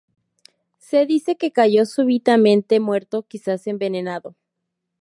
Se dice que cayó súbitamente muerto, quizás envenenado.